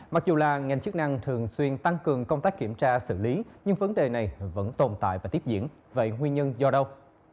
mặc dù là ngành chức năng thường xuyên tăng cường công tác kiểm tra xử lý nhưng vấn đề này vẫn tồn tại và tiếp diễn vậy nguyên nhân do đâu